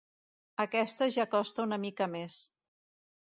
Aquesta ja costa una mica més.